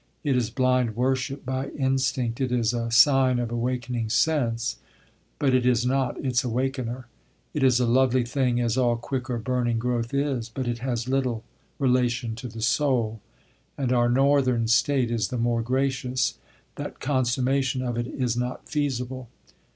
It is blind worship by instinct; it is a sign of awakening sense, but it is not its awakener. It is a lovely thing as all quick or burning growth is, but it has little relation to the soul, and our Northern state is the more gracious that consummation of it is not feasible.